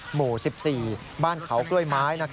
หมู่๑๔บ้านเขากล้วยไม้